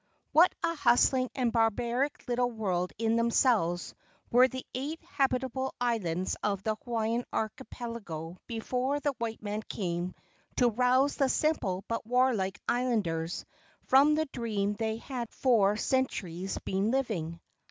What a hustling and barbaric little world in themselves were the eight habitable islands of the Hawaiian archipelago before the white man came to rouse the simple but warlike islanders from the dream they had for centuries been living!